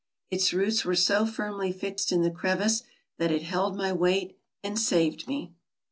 Its roots were so firmly fixed in the crevice that it held my weight and saved me.